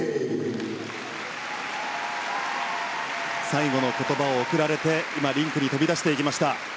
最後の言葉を送られて今、リンクに飛び出しました。